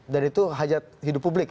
dan itu hajat hidup publik